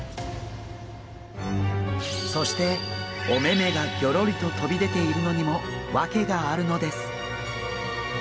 そしてお目目がぎょろりと飛び出ているのにも訳があるのです。